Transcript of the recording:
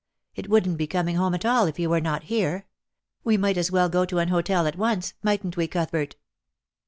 It wouldn't be coming home at all if you were not here. We might as well go to an hotel at once ; mightn't we, Cuthbert